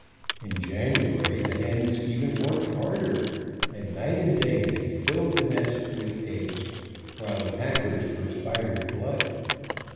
In January the hens even worked harder, and night and day they filled the nests with eggs, while the packers perspired blood.